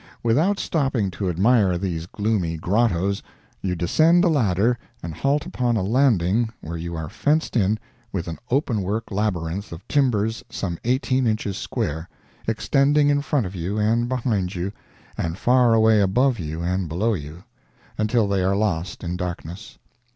Without stopping to admire these gloomy grottoes you descend a ladder and halt upon a landing where you are fenced in with an open work labyrinth of timbers some eighteen inches square, extending in front of you and behind you, and far away above you and below you, until they are lost in darkness.